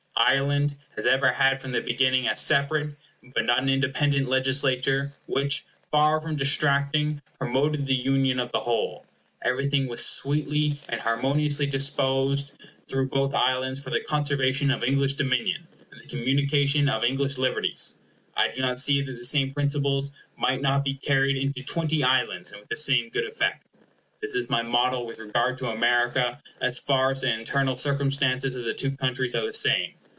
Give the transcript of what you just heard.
Ireland has ever had from the beginning a separate, but not an independent, legislature, which, far from distracting, promoted the union of the whole. Everything was sweetly and harmoniously disposed through both islands for the conservation of English dominion, and the communication of English liberties. I do not see that the same principles might not be carried into twenty islands and with the same good effect. This is my model with regard to America, as far as the internal circumstances of the two countries are the same.